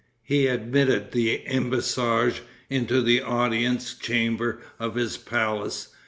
He admitted the embassage into the audience chamber of his palace.